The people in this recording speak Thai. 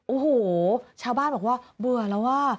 โอ้โหชาวบ้านบอกว่าเบื่อแล้วว่ะ